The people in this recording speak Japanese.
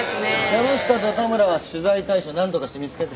山下と田村は取材対象何とかして見つけて。